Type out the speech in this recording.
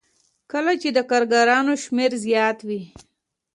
کله چې د کارګرانو شمېر زیات وي